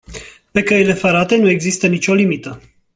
Pe căile ferate, nu există nicio limită.